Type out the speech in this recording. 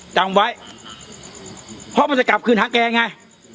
จำไว้เพราะมันจะกลับคืนหาแกไง